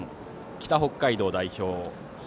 北北海道代表。